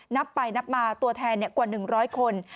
นับไปนับมาตัวแทนกว่า๑๐๐คน